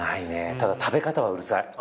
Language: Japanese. ただ食べ方はうるさい。